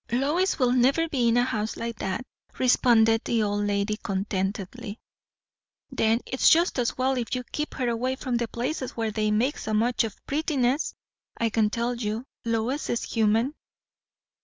"Lois will never be in a house like that," responded the old lady contentedly. "Then it's just as well if you keep her away from the places where they make so much of prettiness, I can tell you. Lois is human."